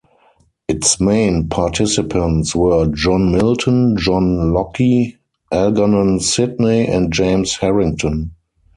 Its main participants were John Milton, John Locke, Algernon Sidney, and James Harrington.